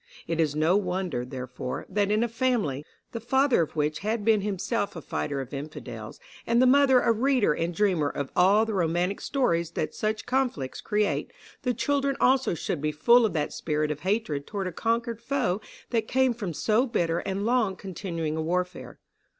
It is no wonder, therefore, that in a family, the father of which had been himself a fighter of Infidels, and the mother a reader and dreamer of all the romantic stories that such conflicts create, the children also should be full of that spirit of hatred toward a conquered foe that came from so bitter and long continuing a warfare.